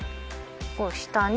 こう下に。